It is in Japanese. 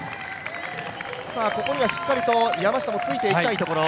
ここには、しっかり山下もついていきたいところ。